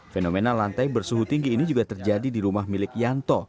fenomena lantai bersuhu tinggi ini juga terjadi di rumah milik yanto